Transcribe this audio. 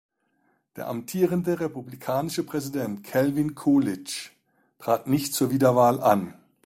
Der amtierende republikanische Präsident Calvin Coolidge trat nicht zur Wiederwahl an.